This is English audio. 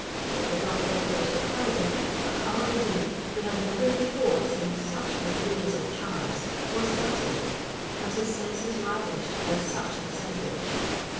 It is not therefore surprising that Alla ad Deen, who had never before seen such a blaze of charms, was dazzled, and his senses ravished by such an assemblage.